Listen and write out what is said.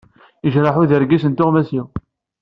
Yejreḥ udergis n tuɣmas-iw.